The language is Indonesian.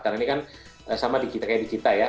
karena ini kan sama kayak di kita ya